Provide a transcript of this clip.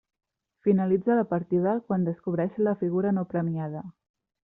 Finalitza la partida quan descobreix la figura no premiada.